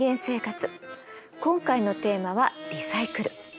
今回のテーマは「リサイクル」。